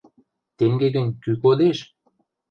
— Тенге гӹнь, кӱ кодеш?